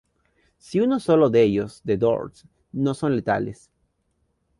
Sin uno solo de ellos The Doors no son tales".